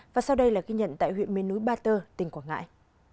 và sau đây là ghi nhận tại huyện mênh núi ba tơ tỉnh quảng ngãi